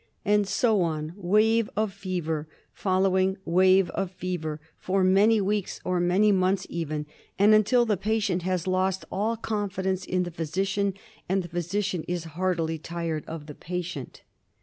And so on, wave of fever following wave, of fever for many weeks, or many months even, and until the patient has lost all confidence in the physician and the physician is heartily tired of the patient.